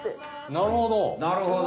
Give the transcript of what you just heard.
なるほど。